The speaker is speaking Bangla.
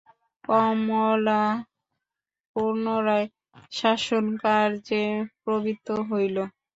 কমলা পুনরায় শাসনকার্যে প্রবৃত্ত হইল।